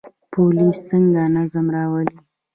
پولیس څنګه نظم راولي؟